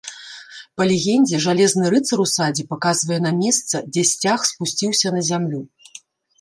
Па легендзе жалезны рыцар у садзе паказвае на месца, дзе сцяг спусціўся на зямлю.